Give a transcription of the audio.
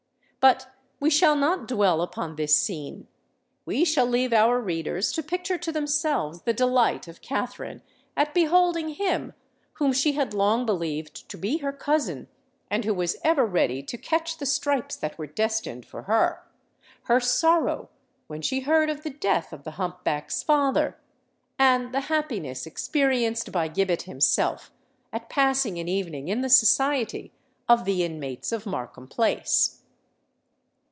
But we shall not dwell upon this scene:—we shall leave our readers to picture to themselves the delight of Katherine at beholding him whom she had long believed to be her cousin, and who was ever ready to catch the stripes that were destined for her,—her sorrow when she heard of the death of the hump back's father,—and the happiness experienced by Gibbet himself at passing an evening in the society of the inmates of Markham Place.